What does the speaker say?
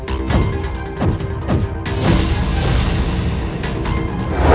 jika salah satu di antara mereka